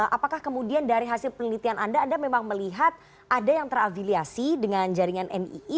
apakah kemudian dari hasil penelitian anda anda memang melihat ada yang terafiliasi dengan jaringan nii